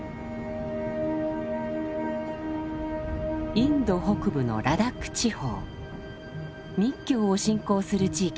インド北部のラダック地方密教を信仰する地域です。